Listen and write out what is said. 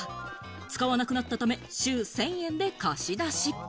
使わなくなったため、週１０００円で貸し出し。